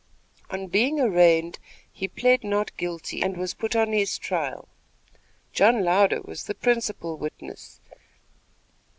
On being arraigned, he plead not guilty and was put on his trial. John Louder was the principal witness.